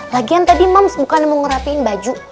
lagian tadi moms bukan mau ngerapiin baju